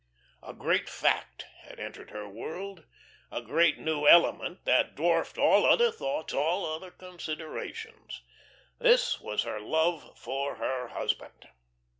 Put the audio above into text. A great fact had entered her world, a great new element, that dwarfed all other thoughts, all other considerations. This was her love for her husband.